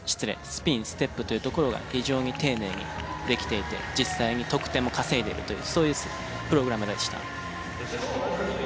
スピンステップというところが非常に丁寧にできていて実際に得点も稼いでいるというそういうプログラムでした。